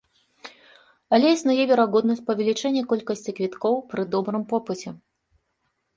Але існуе верагоднасць павелічэння колькасці квіткоў пры добрым попыце.